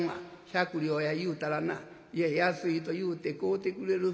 百両や言うたらないや安いと言うて買うてくれる」。